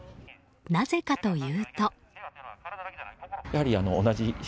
なぜかというと。